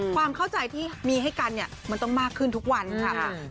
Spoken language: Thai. ความเข้าใจที่มีให้กันเนี่ยมันต้องมากขึ้นทุกวันค่ะ